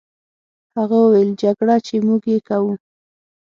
هغه وویل: جګړه، چې موږ یې کوو.